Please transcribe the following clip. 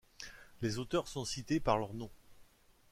Les auteurs sont cités par leurs noms.